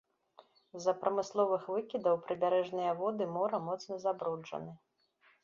З-за прамысловых выкідаў прыбярэжныя воды мора моцна забруджаны.